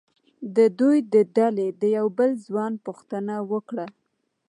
د دوی د ډلې د یوه بل ځوان پوښتنه وکړه.